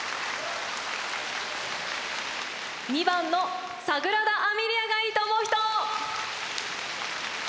２番の「サグラダ・編みリア」がいいと思う人！